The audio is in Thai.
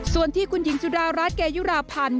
ส่วนที่คุณหญิงสุดารัฐเกยุราพันธ์